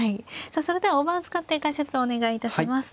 さあそれでは大盤を使って解説をお願いいたします。